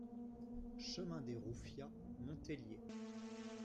Chemin des Roufiats, Montélier